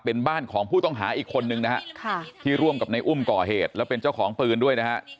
เป็นบ้านของผู้ต้องหาอีกคนนึงนะฮะที่ร่วมกับในอุ้มก่อเหตุแล้วเป็นเจ้าของปืนด้วยนะฮะ